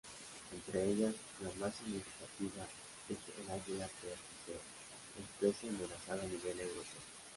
Entre ellas, la más significativa es el águila perdicera, especie amenazada a nivel europeo.